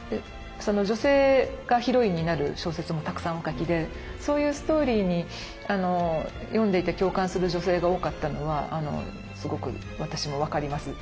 女性がヒロインになる小説もたくさんお書きでそういうストーリーに読んでいて共感する女性が多かったのはすごく私も分かります。